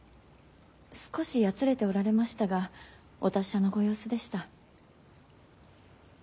少しやつれておられましたがお達者のご様子でした。